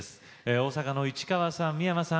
大阪の市川さん三山さん